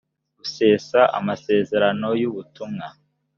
gusesa amasezerano y ubutumwa